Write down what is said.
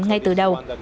ngay từ đầu